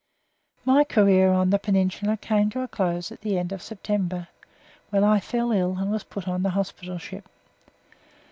My career on the Peninsula came to a close at the end of September, when I fell ill and was put on the hospital ship.